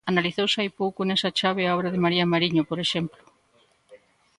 Analizouse hai pouco nesa chave a obra de María Mariño, por exemplo.